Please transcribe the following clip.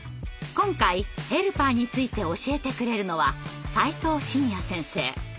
今回ヘルパーについて教えてくれるのは齋藤信弥先生。